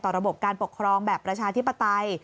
ระบบการปกครองแบบประชาธิปไตย